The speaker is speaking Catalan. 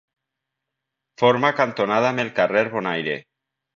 Forma cantonada amb el carrer Bon Aire.